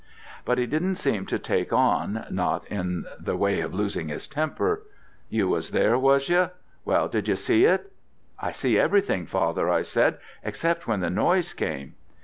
But he didn't seem to take on, not in the way of losing his temper. 'You was there, was you? Well did you see it?' 'I see everything, father,' I said, 'except when the noise came.'